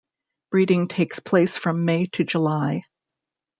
Breeding takes place from May to July.